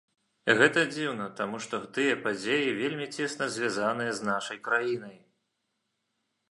І гэта дзіўна, таму што тыя падзеі вельмі цесна звязаныя з нашай краінай.